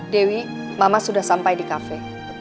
dewi mama sudah sampai di kafe